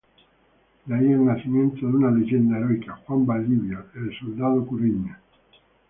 De ahí el nacimiento de una leyenda heroica, Juan Valdivia, "El soldado cureña".